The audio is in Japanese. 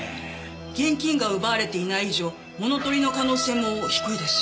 現金が奪われていない以上物取りの可能性も低いですしね。